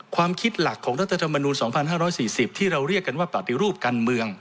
ความคิดหลักของรัฐธรรมนูล๒๕๔๐ที่เราเรียกกันว่าปฏิรูปการเมือง